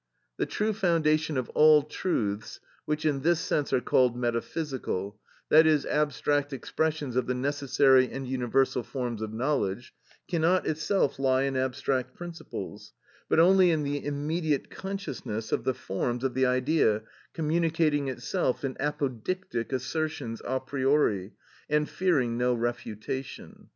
The true foundation of all truths which in this sense are called metaphysical, that is, abstract expressions of the necessary and universal forms of knowledge, cannot itself lie in abstract principles; but only in the immediate consciousness of the forms of the idea communicating itself in apodictic assertions a priori, and fearing no refutation.